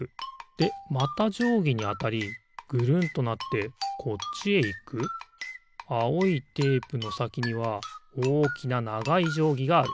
でまたじょうぎにあたりぐるんとなってこっちへいくあおいテープのさきにはおおきなながいじょうぎがある。